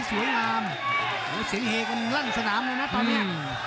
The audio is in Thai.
เสียงเฮกกันรั่งสนามเลยนะตอนนี้